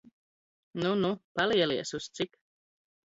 Nu nu, palielies, uz cik?